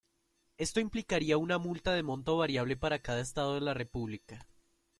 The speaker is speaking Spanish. Esto implicaría una multa de monto variable para cada estado de la república.